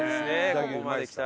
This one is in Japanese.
ここまで来たら。